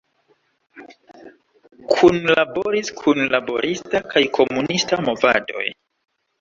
Kunlaboris kun laborista kaj komunista movadoj.